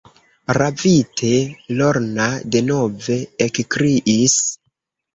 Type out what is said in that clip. Ravite, Lorna denove ekkriis: